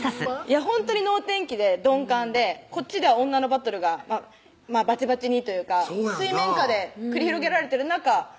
ほんとに脳天気で鈍感でこっちでは女のバトルがバチバチにというか水面下で繰り広げられてる中